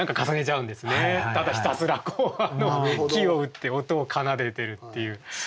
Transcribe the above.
ただひたすらこう木を打って音を奏でてるっていう。